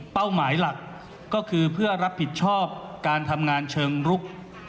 หมายหลักก็คือเพื่อรับผิดชอบการทำงานเชิงรุก